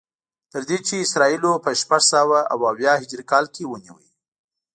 تر دې چې اسرائیلو په شپږسوه او اویا هجري کال کې ونیو.